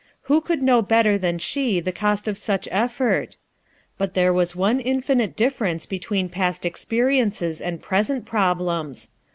Who could know better than .she the cost of such effort? But there was one infinite difference between past experiences and present problems.